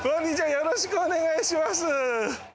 よろしくお願いします。